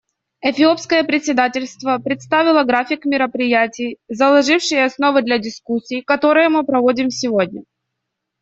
Эфиопское председательство представило график мероприятий, заложивший основы для дискуссий, которые мы проводим сегодня.